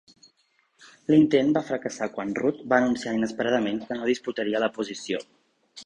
L'intent va fracassar quan Rudd va anunciar inesperadament que no disputaria la posició.